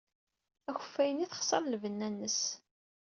Akeffay-nni texṣer lbenna-nnes.